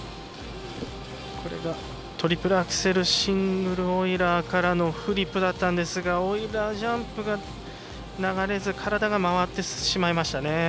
トリプルアクセルシングルオイラーからのフリップだったんですがオイラージャンプが流れず体が回ってしまいましたね。